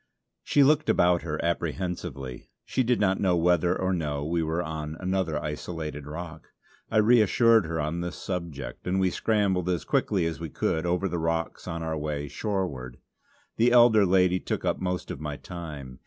She looked about her apprehensively; she did not know whether or no we were on another isolated rock. I reassured her on this subject, and we scrambled as quickly as we could over the rocks on our way shoreward. The elder lady took up most of my time.